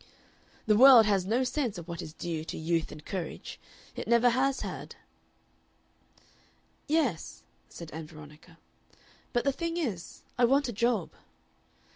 "The world has no sense of what is due to youth and courage. It never has had." "Yes," said Ann Veronica. "But the thing is, I want a job."